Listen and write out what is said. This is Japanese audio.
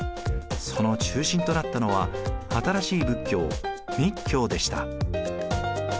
その中心となったのは新しい仏教密教でした。